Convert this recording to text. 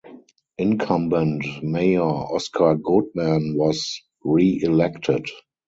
Incumbent Mayor Oscar Goodman was reelected.